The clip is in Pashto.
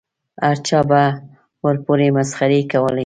هر چا به ورپورې مسخرې کولې.